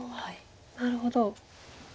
なるほど。